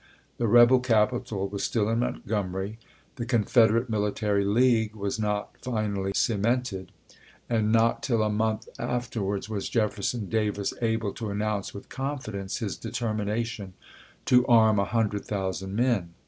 The rebel capital was still in Montgomery ; the Confederate military league was not finally ce mented, and not till a month afterwards was Jeffer son Davis able to announce with confidence his determination to arm a hundred thousand men.